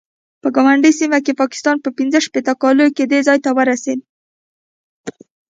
په ګاونډۍ سیمه کې پاکستان په پنځه شپېته کالو کې دې ځای ته ورسېد.